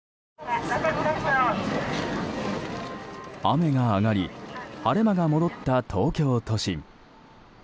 雨が上がり晴れ間が戻った東京都心。